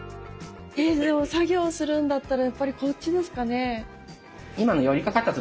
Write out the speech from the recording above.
作業するんだったらやっぱりこっちですかね。